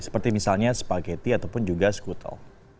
seperti misalnya spagetti ataupun juga skutel